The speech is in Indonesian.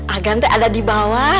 agante ada di bawah